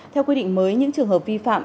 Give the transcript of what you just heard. theo quy định mới những trường hợp vi phạm